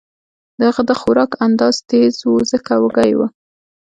د هغه د خوراک انداز تېز و ځکه وږی و